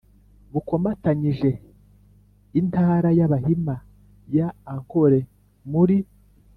bukomatanyije intara y'abahima ya ankole muri